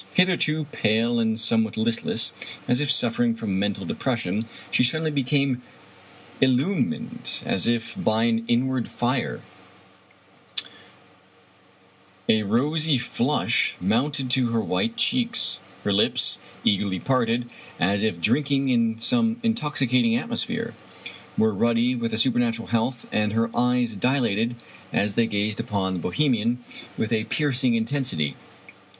Hitherto pale and somewhat listless, as if suflfering from mental depression, she suddenly became illumined as if by an inward fire, A rosy flush mounted to her white cheeks ; her lips, eagerly parted as if drinking in some intoxicating atmosphere, were ruddy with a supernatural health, and her eyes dilated as they gazed upon the Bohemian with a piercing intensity.